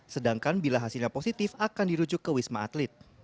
sedangkan bila hasilnya positif akan dirujuk ke wisma atlet